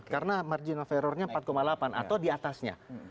karena margin of error nya empat delapan atau di atasnya